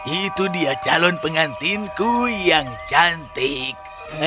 itu dia calon pengantinku yang cantik